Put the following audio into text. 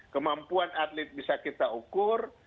kemampuan atlet bisa kita ukur